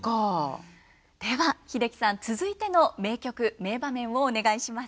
では英樹さん続いての名曲名場面をお願いします。